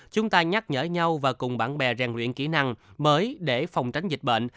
chúng ta nhắc nhở nhau và cùng bạn bè rèn luyện kỹ năng mới để phòng tránh dịch bệnh